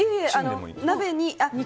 鍋に。